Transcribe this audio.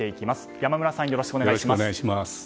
山村さん、よろしくお願いします。